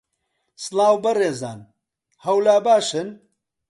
سڵاو بەڕێزان، هەوو لا باشن